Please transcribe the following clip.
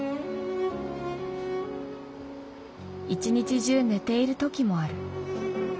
「一日中寝ているときもある。